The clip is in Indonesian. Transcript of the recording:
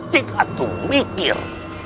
tidak tunggu mikir